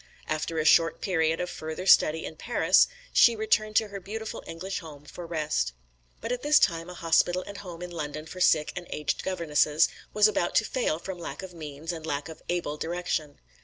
After a short period of further study in Paris she returned to her beautiful English home for rest. But at this time a hospital and home in London for sick and aged governesses was about to fail from lack of means and lack of able direction.